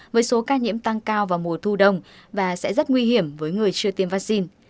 với số ca nhiễm tăng cao vào mùa thu đông và sẽ rất nguy hiểm với người chưa tiêm vaccine